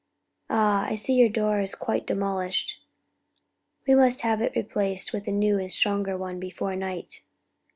Ah, I see your door is quite demolished. We must have it replaced with a new and stronger one before night."